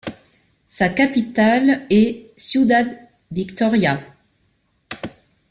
Sa capitale est Ciudad Victoria.